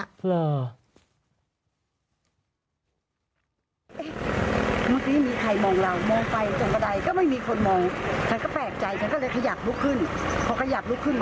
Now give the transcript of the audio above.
อ้าวป๊อบหักลงมาพัดหน้าบ้านแล้ว